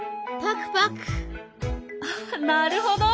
なるほど！